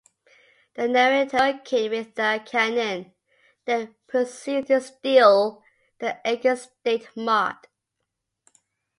The narrator, working with the Canon, then proceeds to steal the eigenstate mod.